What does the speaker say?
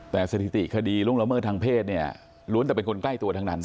แต่สถิติคดีล่วงละเมิดทางเพศเนี่ยล้วนแต่เป็นคนใกล้ตัวทั้งนั้น